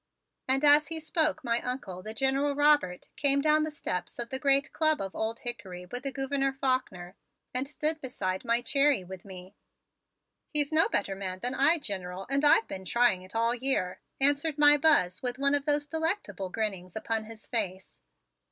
And as he spoke, my Uncle, the General Robert, came down the steps of the great Club of Old Hickory with the Gouverneur Faulkner and stood beside my Cherry with me. "He's no better man than I, General, and I've been trying it all year," answered my Buzz with one of those delectable grinnings upon his face.